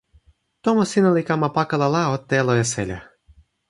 tomo sina li kama pakala la o telo e seli.